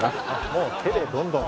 もう手でどんどん。